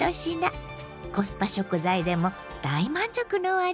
コスパ食材でも大満足のお味です。